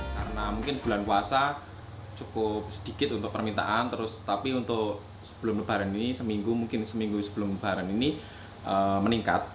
karena mungkin bulan puasa cukup sedikit untuk permintaan tapi untuk sebelum lebaran ini seminggu mungkin seminggu sebelum lebaran ini meningkat